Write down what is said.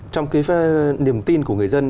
trong cái niềm tin của người dân